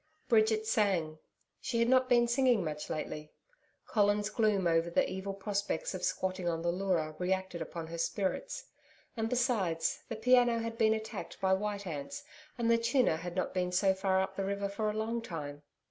Bridget sang. She had not been singing much lately. Colin's gloom over the evil prospects of squatting on the Leura re acted upon her spirits. And besides, the piano had been attacked by white ants, and the tuner had not been so far up the river for a long time.